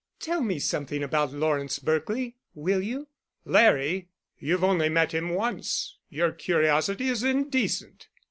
"Tell me something about Lawrence Berkely, will you?" "Larry? You've only met him once. Your curiosity is indecent."